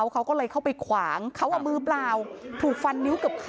แล้วก็มาก่อเหตุอย่างที่คุณผู้ชมเห็นในคลิปนะคะ